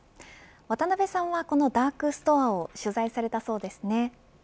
渡辺さんはこのダークストアを取材されたそうですね。